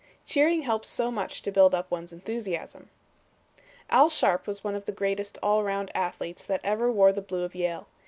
"Cheering helps so much to build up one's enthusiasm." Al Sharpe was one of the greatest all around athletes that ever wore the blue of Yale.